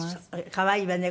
可愛いわね。